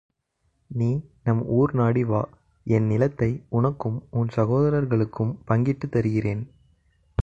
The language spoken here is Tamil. நீ நம் ஊர் நாடி வா என் நிலத்தை உனக்கும் உன் சகோதரர்களுக்கும் பங்கிட்டுத் தருகிறேன்.